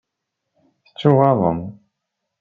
Tettuɣaḍem.